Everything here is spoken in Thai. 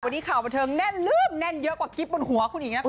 วันนี้ข่าวประเทิงแน่นเยอะกว่ากิ๊บบนหัวคุณอีกนะคุณค้า